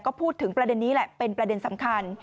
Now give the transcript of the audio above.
ก็พูดถึงประเด็นนี้แหละเป็นประเด็นสำคัญ